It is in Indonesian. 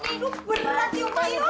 aduh berat ya pak yo